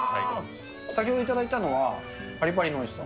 先ほど頂いたのは、ぱりぱりのおいしさ。